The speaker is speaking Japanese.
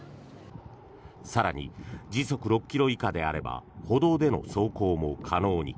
更に、時速６ｋｍ以下であれば歩道での走行も可能に。